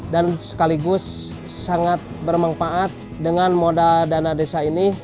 dan sekaligus sangat bermanfaat dengan modal dana desa ini